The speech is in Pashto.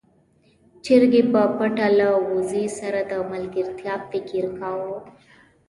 چرګې په پټه له وزې سره د ملګرتيا فکر کاوه.